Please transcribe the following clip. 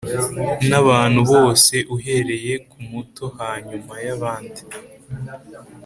n abantu bose uhereye ku muto hanyuma y abandi